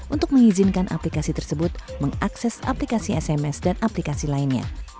untuk mengizinkan aplikasi tersebut mengakses aplikasi sms dan aplikasi lainnya